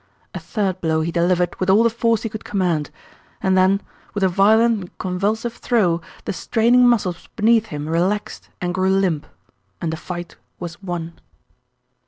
A third blow he delivered with all the force he could command, and then with a violent and convulsive throe the straining muscles beneath him relaxed and grew limp and the fight was won.